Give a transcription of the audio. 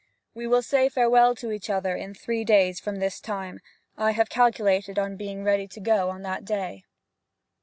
We will say farewell to each other in three days from this time. I have calculated on being ready to go on that day.'